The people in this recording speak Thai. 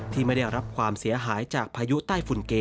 ที่ไม่ได้รับความเสียหายจากพายุใต้ฝุ่นเก